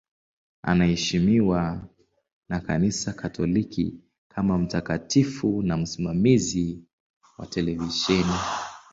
Anaheshimiwa na Kanisa Katoliki kama mtakatifu na msimamizi wa televisheni.